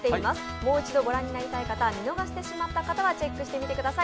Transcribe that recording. もう一度御覧になりたい方、見逃してしまった方がチェックしてみてください。